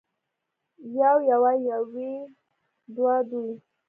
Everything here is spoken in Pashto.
يو يوه يوې دوه دوې